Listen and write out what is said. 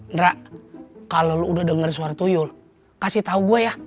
indra kalau lo udah denger suara tuyul kasih tau gue ya